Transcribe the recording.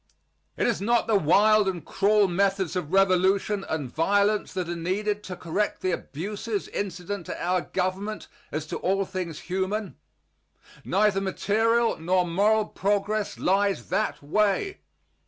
It is not the wild and cruel methods of revolution and violence that are needed to correct the abuses incident to our Government as to all things human. Neither material nor moral progress lies that way.